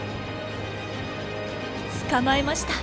捕まえました！